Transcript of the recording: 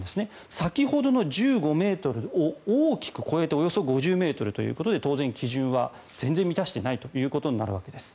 先ほどの１５ｍを大きく超えておよそ５０ｍということで当然、基準は全然満たしていないことになるわけです。